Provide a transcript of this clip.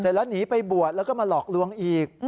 เสร็จแล้วหนีไปบวชแล้วก็มาหลอกลวงอีก